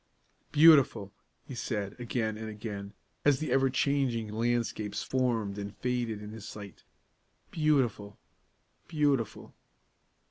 "Beautiful!" he said, again and again, as the ever changing landscapes formed and faded in his sight; "beautiful! beautiful!"